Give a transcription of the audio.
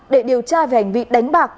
để điều tra về hành vi đánh bạc